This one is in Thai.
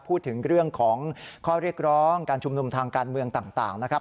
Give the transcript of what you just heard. พูดถึงเรื่องของข้อเรียกร้องการชุมนุมทางการเมืองต่างนะครับ